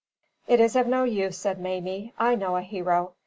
"It is of no use," said Mamie. "I know a hero.